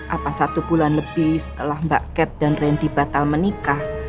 apa satu bulan lebih setelah mbak ket dan randy batal menikah